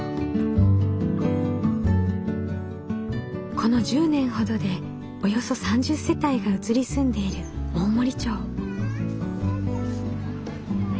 この１０年ほどでおよそ３０世帯が移り住んでいる大森町。